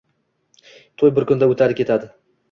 To‘y bir kunda o‘tadi-ketadi.